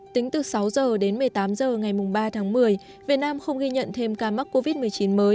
tính từ sáu h đến một mươi tám h ngày ba tháng một mươi việt nam không ghi nhận thêm ca mắc covid một mươi chín mới